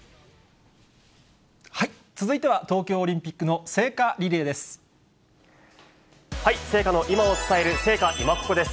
続いては東京オリンピックの聖火リレーです。